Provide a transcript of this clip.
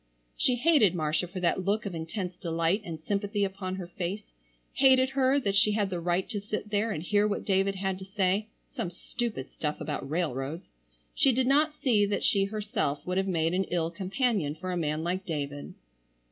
She hated Marcia for that look of intense delight and sympathy upon her face; hated her that she had the right to sit there and hear what David had to say—some stupid stuff about railroads. She did not see that she herself would have made an ill companion for a man like David.